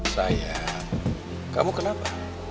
sayang kamu kenapa